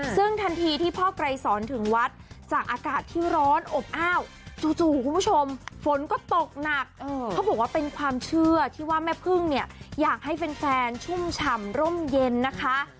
ซึ่งทันทีที่พ่อไกรสอนถึงวัดจากอากาศที่ร้อนอบอ้าวจู่คุณผู้ชมฝนก็ตกหนักเขาบอกว่าเป็นความเชื่อที่ว่าแม่พึ่งเนี่ยอยากให้แฟนชุ่มฉ่ำร่มเย็นนะคะ